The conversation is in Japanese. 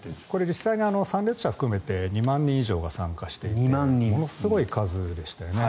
実際に参列者を含めて２万人以上が参加していてものすごい数でしたね。